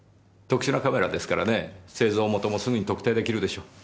特殊なカメラですからね製造元もすぐに特定できるでしょう。